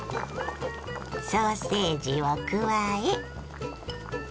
ソーセージを加え。